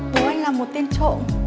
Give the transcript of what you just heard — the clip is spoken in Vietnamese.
bố anh là một tiên trộm